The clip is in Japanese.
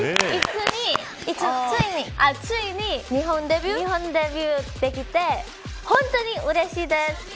ついに日本デビューできて本当にうれしいです。